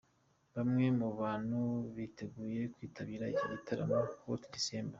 Bamwe mu bantu biteguye kwitabira iki gitaramo Hot December.